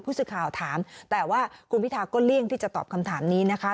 สื่อข่าวถามแต่ว่าคุณพิทาก็เลี่ยงที่จะตอบคำถามนี้นะคะ